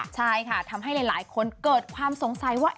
ใช่ค่ะทำให้หลายคนเกิดความสงสัยว่า